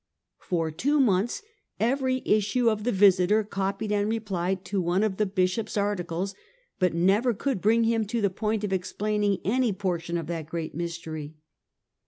Por two months every issue of the Visiter copied and replied to one of the Bishop's articles, but never could bring him to the point of explaining any portion of that great mystery.